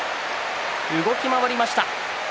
動き回りました。